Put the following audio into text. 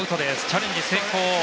チャレンジ成功。